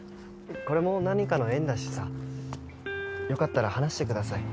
これも何かの縁だしさよかったら話してください